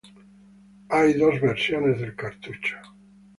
Hay dos versiones del cartucho.